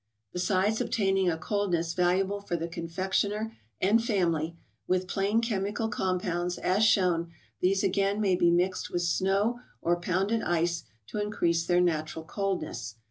Besides obtaining a coldness valuable for the confectioner and family, with plain chemical compounds, as shown, these again may be mixed with snow, or pounded ice, to increase their natural cold¬ ness.